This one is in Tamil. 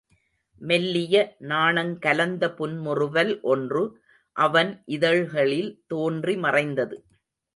மெல்லிய நாணங் கலந்த புன்முறுவல் ஒன்று அவன் இதழ்களில் தோன்றி மறைந்தது.